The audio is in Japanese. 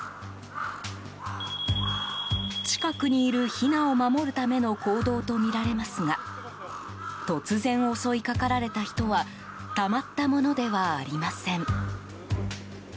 近くにいる、ひなを守るための行動とみられますが突然襲いかかられた人はたまったものではありません。